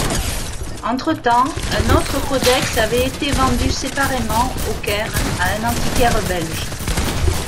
Entre-temps, un autre codex avait été vendu séparément, au Caire, à un antiquaire belge.